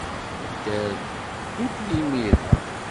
Nedder ddukkli imir-a.